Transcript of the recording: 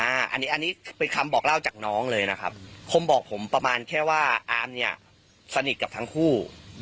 อันนี้อันนี้คือคำบอกเล่าจากน้องเลยนะครับคมบอกผมประมาณแค่ว่าอามเนี่ยสนิทกับทั้งคู่